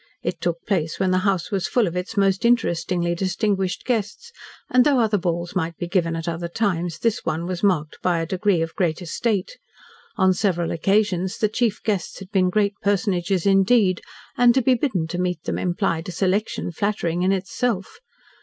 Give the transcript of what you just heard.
It took place when the house was full of its most interestingly distinguished guests, and, though other balls might be given at other times, this one was marked by a degree of greater state. On several occasions the chief guests had been great personages indeed, and to be bidden to meet them implied a selection flattering in itself.